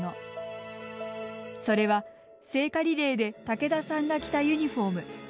それは、聖火リレーで竹田さんが着たユニフォーム。